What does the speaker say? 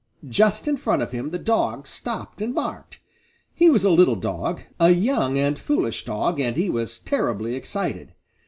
Just in front of him the dog stopped and barked. He was a little dog, a young and foolish dog, and he was terribly excited.